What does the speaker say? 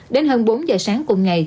đến hơn bốn giờ sáng cùng ngày